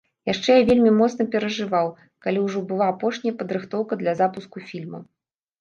Яшчэ я вельмі моцна перажываў, калі ўжо была апошняя падрыхтоўка для запуску фільма.